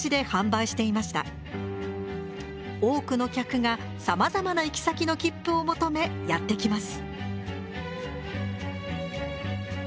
多くの客がさまざまな行き先の切符を求めやって来ます。